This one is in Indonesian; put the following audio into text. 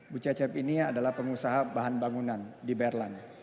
bu cacep ini adalah pengusaha bahan bangunan di berlin